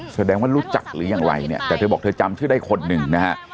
แสดงว่ารู้จักหรืออย่างไรเนี่ยแต่เธอบอกเธอจำชื่อได้คนหนึ่งนะฮะ